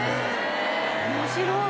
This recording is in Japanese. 面白い。